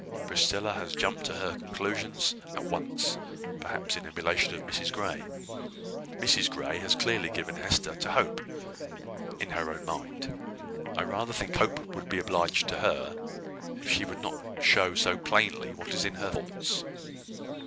Priscilla has jumped to her conclusion at once, perhaps in emulation of Mrs Grey. Mrs Grey has clearly given Hester to Hope, in her own mind. I rather think Hope would be obliged to her if she would not show so plainly what is in her thoughts.